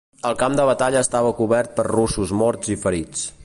El camp de batalla estava cobert per russos morts i ferits.